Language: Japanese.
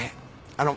あの。